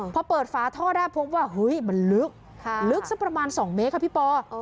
อ่าพอเปิดฝาท่อได้พบว่าเฮ้ยมันลึกค่ะลึกซักประมาณสองเมกร์ค่ะพี่ปอเออ